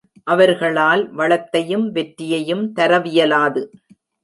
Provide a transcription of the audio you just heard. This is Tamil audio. அவர்களால் வளத்தையும் வெற்றியையும் தரவியலாது.